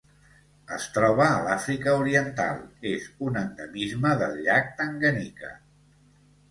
Es troba a l'Àfrica Oriental: és un endemisme del llac Tanganyika.